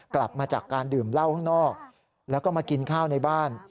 กลับมาจากการดื่มเหล้าข้างนอกแล้วก็มากินข้าวในบ้าน